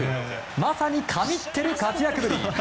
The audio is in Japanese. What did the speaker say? まさに神ってる活躍ぶり。